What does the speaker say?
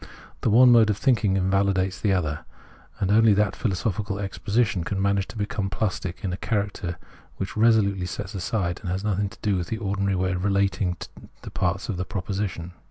The one mode of thinking invalidates the other ; and only that philosophical exposition can manage to become plastic in character which resolutely sets aside and has nothing to do with the ordinary way of relating the parts of a proposition.